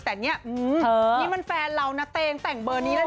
แต่นี่มันแฟนเรานะเตงแต่งเบอร์นี้หรอ